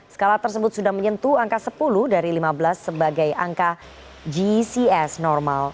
skala tersebut sudah menyentuh angka sepuluh dari lima belas sebagai angka gcs normal